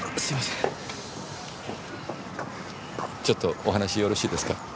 ちょっとお話よろしいですか？